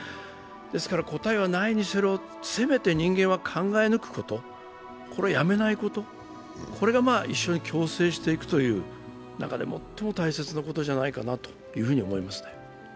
ですから答えはないにせよ、せめて人間は考え抜くこと、これをやめないこと、これが一緒に共生していくという中で最も大切なことじゃないかなと思いますね。